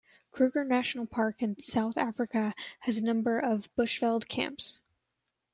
Kruger National Park in South Africa has a number of 'Bushveld' camps.